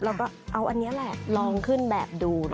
เราก็เอาอันนี้แหละลองขึ้นแบบดู